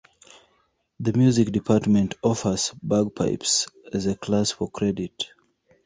The music department offers bagpipes as a class for credit.